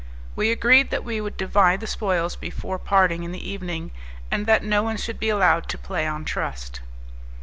We agreed that we would divide the spoils before parting in the evening, and that no one should be allowed to play on trust.